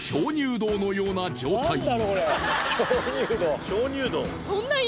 洞のような状態に。